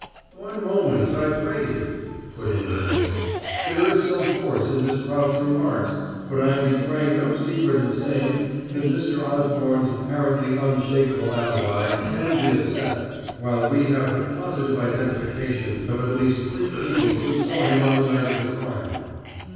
"One moment, I pray you," put in Winter. "There is some force in Miss Prout's remarks, but I am betraying no secret in saying that Mr. Osborne's apparently unshakable alibi can be upset, while we have the positive identification of at least three people who saw him on the night of the crime."